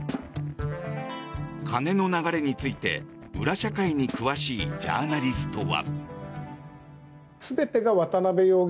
金の流れについて裏社会に詳しいジャーナリストは。